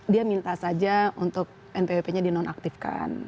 dia minta saja untuk npwp nya di nonaktifkan